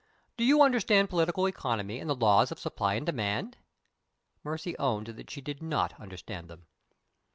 Do you understand Political Economy and the Laws of Supply and Demand?" Mercy owned that she did not understand them.